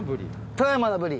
富山のブリ。